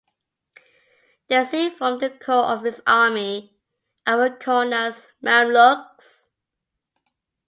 They soon formed the core of his army, and were known as Mamluks.